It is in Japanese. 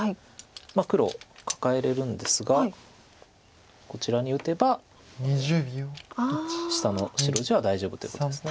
黒カカえれるんですがこちらに打てば下の白地は大丈夫ということです。